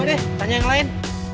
eh tanya yang lain